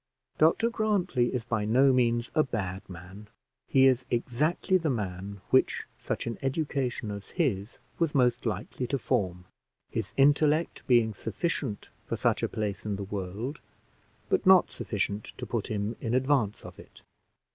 Dr Grantly is by no means a bad man; he is exactly the man which such an education as his was most likely to form; his intellect being sufficient for such a place in the world, but not sufficient to put him in advance of it.